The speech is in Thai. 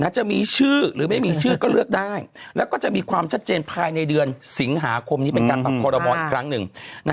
จะมีชื่อหรือไม่มีชื่อก็เลือกได้แล้วก็จะมีความชัดเจนภายในเดือนศิงหาคมอีกครั้งหนึ่ง